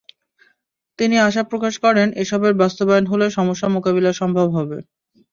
তিনি আশা প্রকাশ করেন, এসবের বাস্তবায়ন হলে সমস্যা মোকাবিলা সম্ভব হবে।